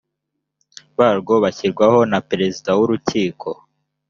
barwo bashyirwaho na perezida w urukiko